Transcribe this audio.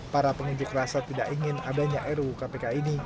para pengunjuk rasa tidak ingin adanya ru kpk ini